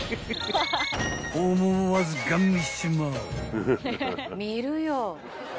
［思わずガン見しちまう］